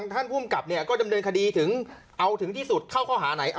ท่านภูมิกับก็ดำเนินคดีถึงเอาถึงที่สุดเข้าข้อหาไหน